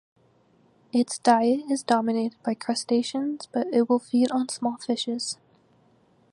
Its diet is dominated by crustaceans but it will feed on small fishes.